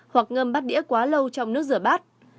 hoặc ngâm bắt đĩa quá lâu trong nước rửa bát